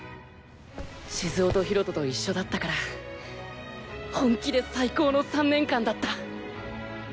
静雄と博人と一緒だったから本気で最高の３年間だった！